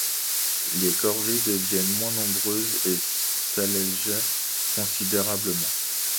Les corvées deviennent moins nombreuses et s’allègent considérablement.